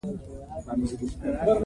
هلمند سیند د افغانانو د ګټورتیا برخه ده.